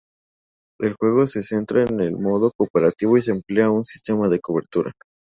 El juego se centra en un modo cooperativo y emplea un sistema de cobertura.